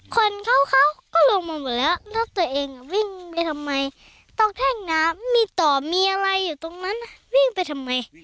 คนเขาเขาก็ลงมาหมดแล้วรถตัวเองวิ่งไปทำไมต้องแท่งน้ำมีต่อมีอะไรอยู่ตรงนั้นวิ่งไปทำไม